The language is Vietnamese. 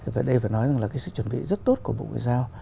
vậy đây phải nói rằng là sự chuẩn bị rất tốt của bộ ngoại giao